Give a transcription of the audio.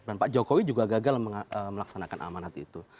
dan pak jokowi juga gagal melaksanakan amanat itu